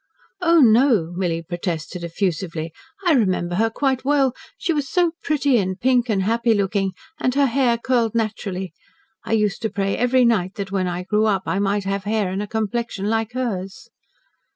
"Oh, no!" Milly protested effusively. "I remember her quite well. She was so pretty and pink and happy looking, and her hair curled naturally. I used to pray every night that when I grew up I might have hair and a complexion like hers."